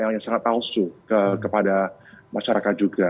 yang sangat palsu kepada masyarakat juga